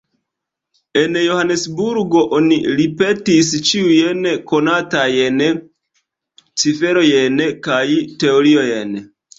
En Johanesburgo oni ripetis ĉiujn konatajn ciferojn kaj teoriojn.